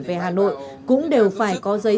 về hà nội cũng đều phải có giấy